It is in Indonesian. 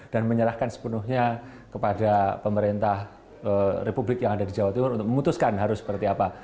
dan menyerahkan sepenuhnya kepada pemerintah republik yang ada di jawa timur untuk memutuskan harus seperti apa